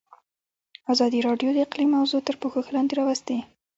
ازادي راډیو د اقلیم موضوع تر پوښښ لاندې راوستې.